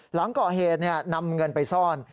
หลังก่อเหตุนำเงินไปซ่อน